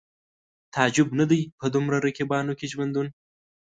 تعجب نه دی په دومره رقیبانو کې ژوندون